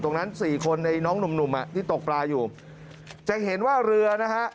ตรงนั้น๔คนน้องหนุ่มที่ตกปลาอยู่จะเห็นว่าเรือนะฮะ